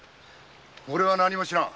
俺は何も知らん。